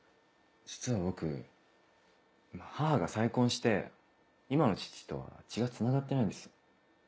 実は僕母が再婚して今の父とは血がつながってないんです。